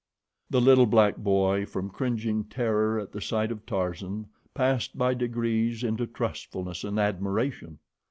The little black boy from cringing terror at the sight of Tarzan passed by degrees into trustfulness and admiration.